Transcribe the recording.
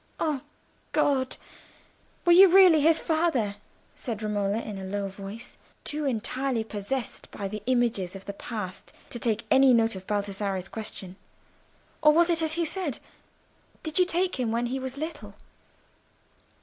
"Oh God! were you really his father?" said Romola, in a low voice, too entirely possessed by the images of the past to take any note of Baldassarre's question. "Or was it as he said? Did you take him when he was little?"